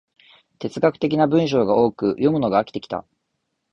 哲学的な文章が多く、読むのが飽きてきた